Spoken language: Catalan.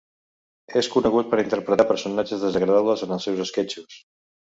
És conegut per interpretar personatges desagradables en els seus esquetxos.